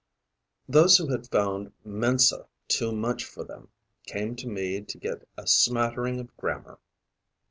Those who had found mensa too much for them came to me to get a smattering of grammar.